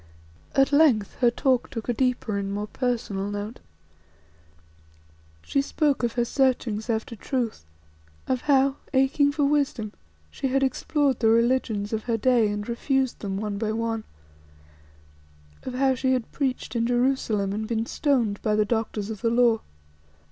At length her talk took a deeper and more personal note. She spoke of her searchings after truth; of how, aching for wisdom, she had explored the religions of her day and refused them one by one; of how she had preached in Jerusalem and been stoned by the Doctors of the Law.